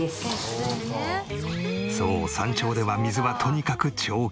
そう山頂では水はとにかく超貴重。